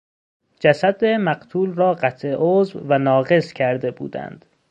جسد مقتول را قطع عضو و ناقص کرده بودند.